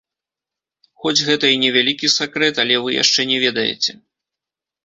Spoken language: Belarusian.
Хоць гэта і не вялікі сакрэт, але вы яшчэ не ведаеце.